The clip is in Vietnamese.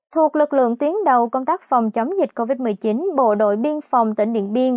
thuộc lực lượng tuyến đầu công tác phòng chống dịch covid một mươi chín bộ đội biên phòng tỉnh điện biên